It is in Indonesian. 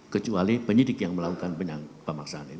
kecuali penyidik yang melakukan pemaksaan ini